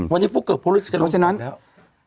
วันนี้ฟุกเกิกพลุกเร็วมากแล้วแล้วเพราะฉะนั้น